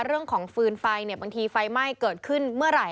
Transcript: เรื่องของฟืนไฟเนี่ยบางทีไฟไม่เกิดขึ้นเมื่อไหร่